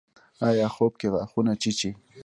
ایا خوب کې غاښونه چیچئ؟